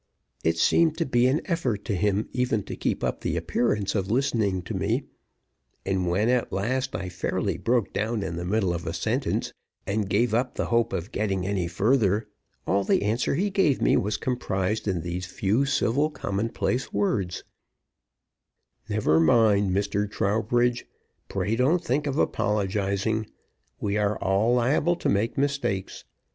It seemed to be an effort to him even to keep up the appearance of listening to me; and when, at last, I fairly broke down in the middle of a sentence, and gave up the hope of getting any further, all the answer he gave me was comprised in these few civil commonplace words: "Never mind, Mr. Trowbridge; pray don't think of apologizing. We are all liable to make mistakes.